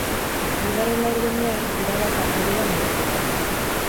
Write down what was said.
Bigarren laurdenean, erabat aldatu da neurketa.